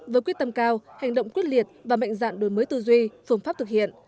với quyết tâm cao hành động quyết liệt và mạnh dạn đổi mới tư duy phương pháp thực hiện